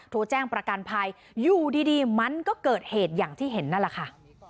โทรแจ้งประกันภัยอยู่ดีมันก็เกิดเหตุอย่างที่เห็นนั่นแหละค่ะ